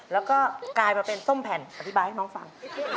แล้วก็กลายมาเป็นส้มแผ่นอธิบายให้น้องฟัง